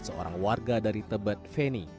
seorang warga dari tebet veni